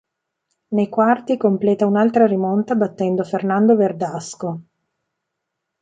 Nei quarti completa un'altra rimonta battendo Fernando Verdasco.